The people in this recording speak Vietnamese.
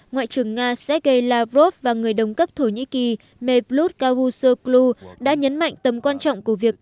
ngoại trưởng nga sergei lavrov và người đồng cấp thổ nhĩ kỳ mevlut gagusoglu đã nhấn mạnh tầm quan trọng của việc